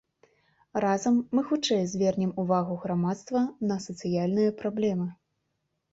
Разам мы хутчэй звернем ўвагу грамадства на сацыяльныя праблемы.